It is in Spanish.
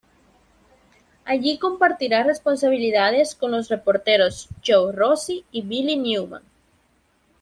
Allí compartirá responsabilidades con los reporteros Joe Rossi y Billie Newman.